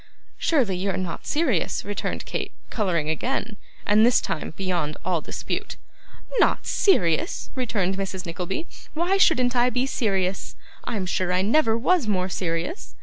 'Surely you are not serious,' returned Kate, colouring again; and this time beyond all dispute. 'Not serious!' returned Mrs. Nickleby; 'why shouldn't I be serious? I'm sure I never was more serious.